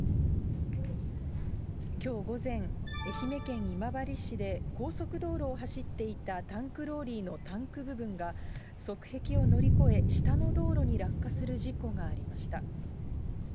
きょう午前、愛媛県今治市で、高速道路を走っていたタンクローリーのタンク部分が、側壁を乗り越え、下の道路に落下する事故がありました。